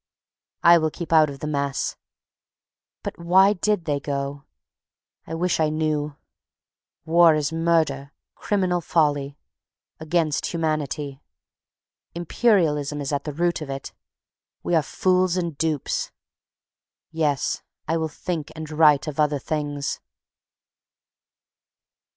I will keep out of the mess. But why did they go? I wish I knew. War is murder. Criminal folly. Against Humanity. Imperialism is at the root of it. We are fools and dupes. Yes, I will think and write of other things.